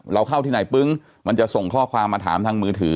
เราเข้าที่ไหนปึ้งมันจะส่งข้อความมาถามทางมือถือ